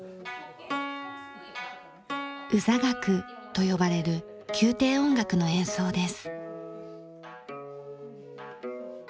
御座楽と呼ばれる宮廷音楽の演奏です。